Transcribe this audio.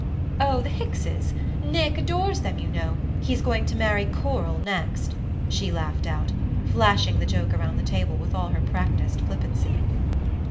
"Oh, the Hickses Nick adores them, you know. He's going to marry Coral next," she laughed out, flashing the joke around the table with all her practiced flippancy.